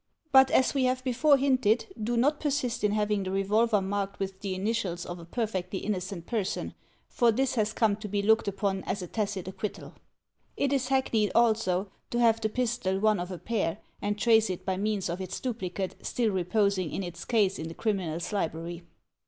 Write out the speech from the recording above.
But, as we have before hinted, do not persist in having the revolver marked with the initials of a perfectly innocent person, for this has come to be looked upon as a tacit acquittal. It is hackneyed, also, to have the pistol one of a pair, and trace it by means of its duplicate still reposing in its case in the criminaFs library.